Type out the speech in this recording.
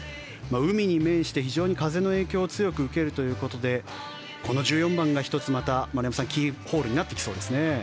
海に面して非常に風の影響を強く受けるということでこの１４番が１つ、キーホールになってきそうですね。